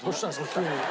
急に。